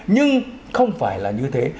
nhưng không phải là như thế